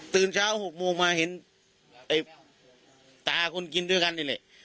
ตื่นเช้า๖โมงมาเห็นตาคนกินด้วยกันนี่แหละ